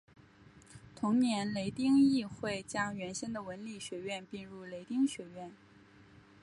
同年雷丁议会将原先的文理学院并入雷丁学院。